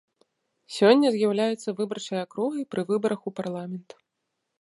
Сёння з'яўляецца выбарчай акругай пры выбарах у парламент.